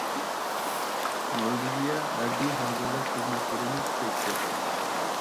نورۋېگىيە ھەربىي ھازىرلىق خىزمەتلىرىنى كۈچەيتتى.